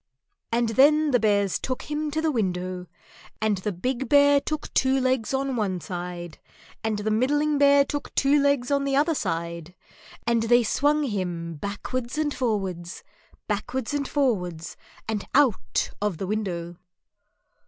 And then the Bears took him to the window, and the big Bear took two legs on one side and the middling Bear took two legs on the other side, and they swung him backwards and forwards, backwards and forwards, and out of the window.